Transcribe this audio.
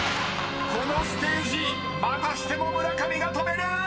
［このステージまたしても村上が止める！］